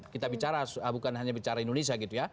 kita bicara bukan hanya bicara indonesia gitu ya